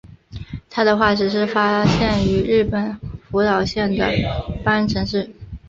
它的化石是发现于日本福岛县的磐城市。